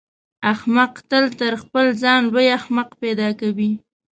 احمق تل تر خپل ځان لوی احمق پیدا کوي.